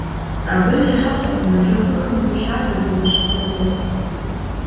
Абы ирихьэлӀэу, мэлыхъуэхэм гу лъатэ дыгъужь къугъым.